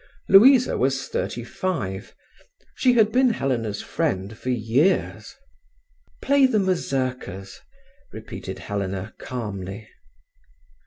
Louisa was thirty five. She had been Helena's friend for years. "Play the mazurkas," repeated Helena calmly.